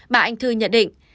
bà anh thư nhận định